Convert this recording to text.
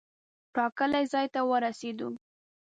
ټاکلي ځای ته ورسېدو.